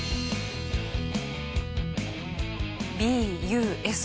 ＢＵＳ。